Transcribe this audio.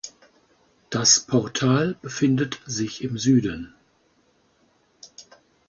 Das Portal befindet sich im Süden.